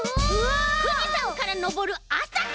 ふじさんからのぼるあさひ！